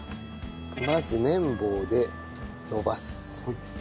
まず麺棒で延ばす。